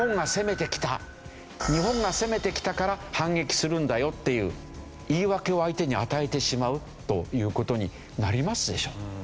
日本が攻めてきたから反撃するんだよっていう言い訳を相手に与えてしまうという事になりますでしょ。